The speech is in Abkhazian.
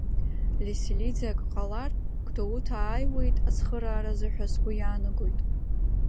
Леселиӡе ак ҟалар, гәдоуҭаа аауеит ацхырааразы ҳәа сгәы иаанагоит.